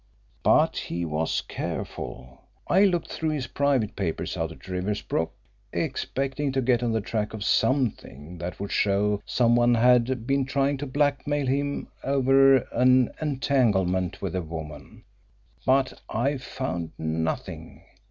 But he was careful. I looked through his private papers out at Riversbrook expecting to get on the track of something that would show some one had been trying to blackmail him over an entanglement with a woman, but I found nothing.